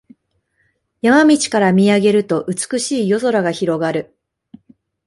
山道から見上げると美しい夜空が広がる